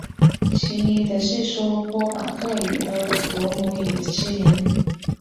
其余的是说波马克语和罗姆语的居民。